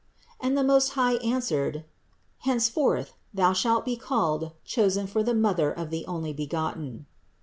And the Most High answered : "Henceforth Thou shalt be called : Chosen for the Mother of the Onlybegotten."